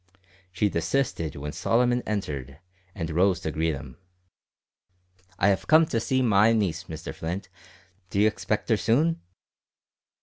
She desisted when Solomon entered, and rose to greet him. "I have come to see my niece, Mr Flint; do you expect her soon?"